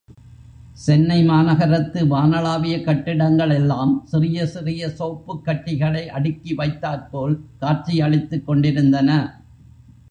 சென்னை மாநகரத்து வானளாவிய கட்டிடங்கள் எல்லாம் சிறிய சிறிய சோப்புக் கட்டிகளை அடுக்கி வைத்தாற்போல் காட்சியளித்துக் கொண்டிருந்தன.